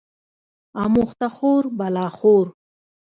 اموخته خور بلا خور